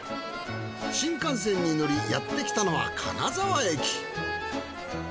新幹線に乗りやってきたのは金沢駅。